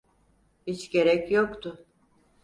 Hiç gerek yoktu.